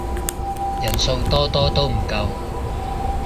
人數多多都唔夠